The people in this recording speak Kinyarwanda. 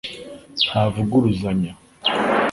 ntavuguruzanya